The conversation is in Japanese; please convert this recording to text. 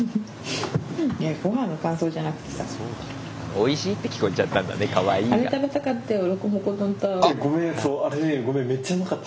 「おいしい？」って聞こえちゃったんだね「かわいい？」が。